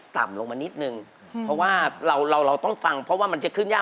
ต่ำลงมานิดนึงเพราะว่าเราเราต้องฟังเพราะว่ามันจะขึ้นยาก